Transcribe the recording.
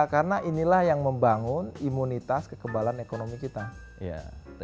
karena inilah yang membangun imunitas kekebalan ekonomi kita